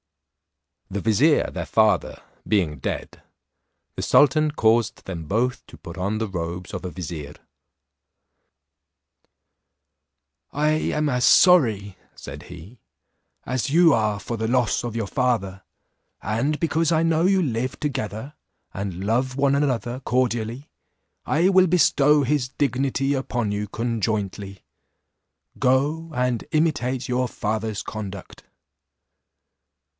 The vizier their father being dead, the sultan caused them both to put on the robes of a vizier, "I am as sorry," said he, "as you are for the loss of your father; and because I know you live together, and love one another cordially, I will bestow his dignity upon you conjointly; go, and imitate your father's conduct."